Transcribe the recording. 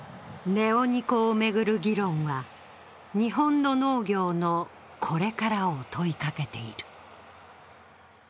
ネオニコを巡る議論は日本の農業のこれからを問いかけている。